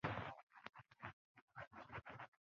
越南阮朝官员。